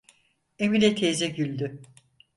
Emine teyze güldü: